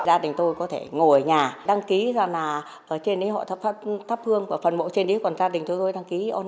gia đình tôi có thể ngồi ở nhà đăng ký ra là ở trên đấy họ thắp hương và phần mộ trên đấy còn gia đình tôi đăng ký ôn